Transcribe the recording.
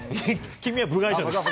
君は部外者です。